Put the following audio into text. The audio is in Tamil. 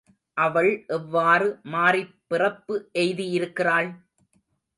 அவள் எவ்வாறு மாறிப் பிறப்பு எய்தியிருக்கிறாள்?